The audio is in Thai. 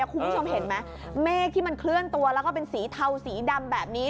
คุณผู้ชมเห็นไหมเมฆที่มันเคลื่อนตัวแล้วก็เป็นสีเทาสีดำแบบนี้